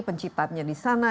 penciptanya di sana